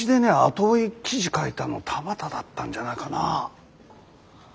後追い記事書いたの田端だったんじゃないかな。